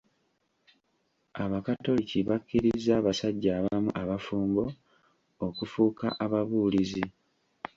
Abakatoliki bakirizza abasajja abamu abafumbo okufuuka ababuulizi.